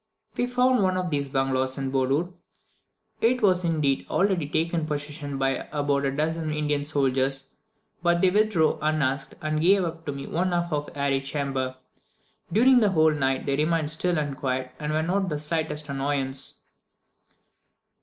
We found one of these bungalows in Bodur. It was indeed already taken possession of by about a dozen Indian soldiers, but they withdrew unasked, and gave up to me half of the airy chamber. During the whole night they remained still and quiet, and were not the slightest annoyance.